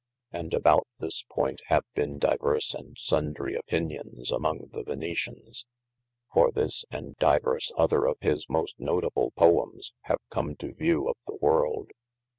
And about this point have been divers and sundry opinions among the Venetians, for this & divers other of his most notable Poems, have come to view of the world.